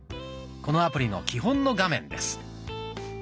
このアプリの基本の画面です。